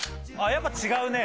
やっぱ違うね。